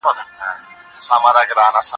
ولي ځيني هیوادونه بهرنۍ پانګونه نه مني؟